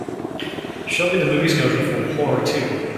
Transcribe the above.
Show me the movie schedule for Whore II.